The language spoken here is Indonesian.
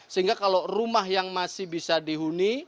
sehingga kalau rumah yang masih bisa dihuni